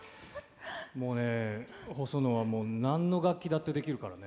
もうねホソノは何の楽器だってできるからね。